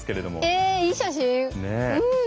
えいい写真うん。